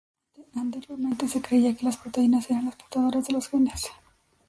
Anteriormente se creía que las proteínas eran las portadoras de los genes.